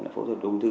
phẫu thuật về ung thư